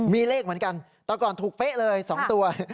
มีเลขเหมือนกันแต่ก่อนถูกเป๊ะเลย๒ตัว